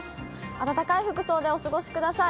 暖かい服装でお過ごしください。